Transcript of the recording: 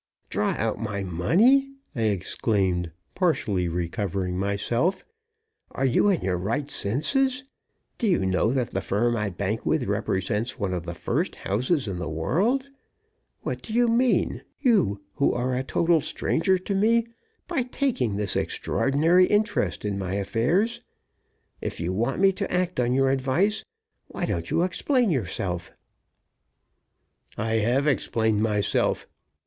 "Draw out my money!" I exclaimed, partially recovering myself. "Are you in your right senses? Do you know that the firm I bank with represents one of the first houses in the world? What do you mean you, who are a total stranger to me by taking this extraordinary interest in my affairs? If you want me to act on your advice, why don't you explain yourself?" "I have explained myself.